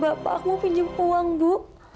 bapak mau pinjem uang bu